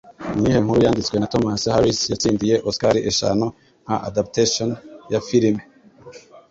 Niyihe nkuru yanditswe na Thomas Harris yatsindiye Oscari eshanu nka Adaptation ya Firime?